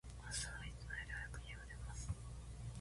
明日は、いつもより早く、家を出ます。